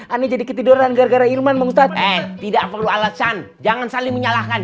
aneh jadi ketiduran gara gara irwan bang ustadz eh tidak perlu alasan jangan saling menyalahkan